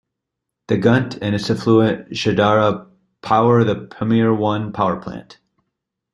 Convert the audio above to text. The Gunt, and its affluent Shahdara, power the Pamir I power plant.